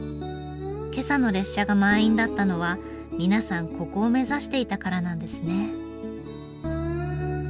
今朝の列車が満員だったのは皆さんここを目指していたからなんですね。